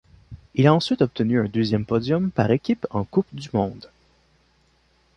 Il a ensuite obtenu un deuxième podium par équipes en Coupe du monde.